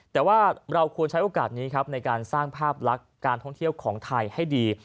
แต่ว่าเราควรใช้โอกาสนี้ครับในการสร้างภาพลักษณ์การท่องเที่ยวของไทยให้ดี